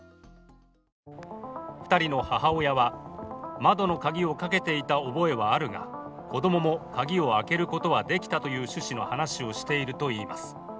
２人の母親は、窓の鍵をかけていた覚えはあるが、子供も鍵を開けることはできたという趣旨の話をしているといいます。